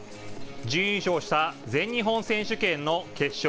準優勝した全日本選手権の決勝